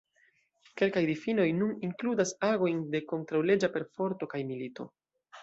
Kelkaj difinoj nun inkludas agojn de kontraŭleĝa perforto kaj milito.